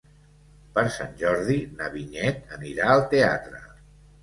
Per Sant Jordi na Vinyet anirà al teatre.